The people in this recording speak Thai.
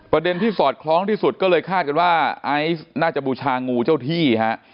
ประเด็นที่สอดคล้องที่สุดก็เลยคาดกันว่าไอซ์น่าจะบูชางูเจ้าที่ฮะ